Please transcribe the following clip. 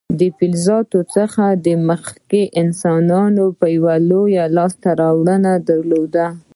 د فلزاتو څخه مخکې انسانانو بله لویه لاسته راوړنه درلوده.